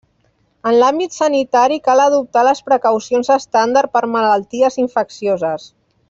En l'àmbit sanitari cal adoptar les precaucions estàndard per malalties infeccioses.